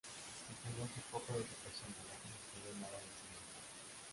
Se conoce poco de su persona ya que no escribió nada de sí mismo.